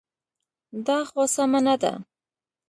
دا خو سمه نه ده.